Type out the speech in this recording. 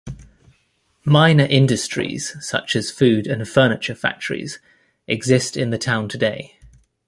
Minor industries, such as food and furniture factories, exist in the town today.